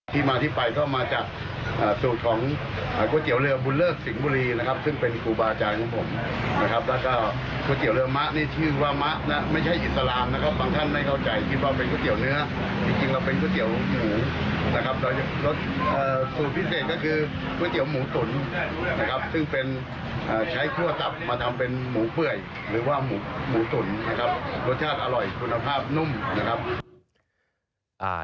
เป็นหมูเปลื้อยหรือว่าหมูตุ๋นนะครับรสชาติอร่อยคุณภาพนุ่มนะครับ